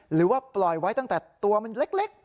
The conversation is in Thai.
หรือว่าปล่อยไว้ตั้งแต่ตัวมันเล็ก